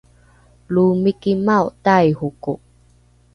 lo mikimao taihoko